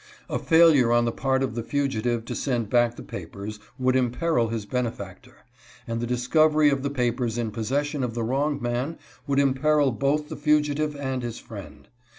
A failure on the part of the fugitive to send back the papers would im peril his benefactor, and the discovery of the papers in possession of the wrong man would imperil both the fugi tive and his friend.